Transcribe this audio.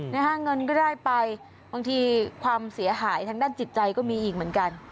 นะฮะเงินก็ได้ไปบางทีความเสียหายทางด้านจิตใจก็มีอีกเหมือนกัน